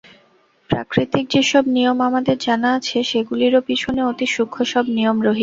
প্রাকৃতিক যে-সব নিয়ম আমাদের জানা আছে, সেগুলিরও পিছনে অতি সূক্ষ্ম সব নিয়ম রহিয়াছে।